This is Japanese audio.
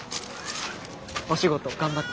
お仕事頑張って。